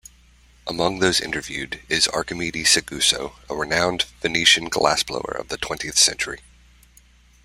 Among those interviewed is Archimede Seguso, a renowned Venetian glassblower of the twentieth century.